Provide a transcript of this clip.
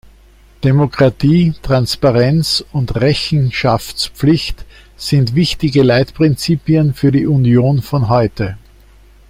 Demokratie, Transparenz und Rechenschaftspflicht sind wichtige Leitprinzipien für die Union von heute.